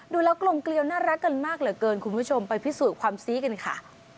ดูแล้วกลมเกลียวน่ารักกันมากเหลือเกินคุณผู้ชมไปพิสูจน์ความซี้กันค่ะ